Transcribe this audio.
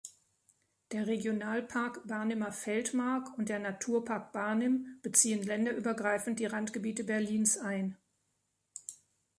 Der Regionalpark Barnimer Feldmark und der Naturpark Barnim beziehen länderübergreifend die Randgebiete Berlins ein.